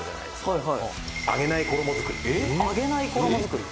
「揚げない衣作り？」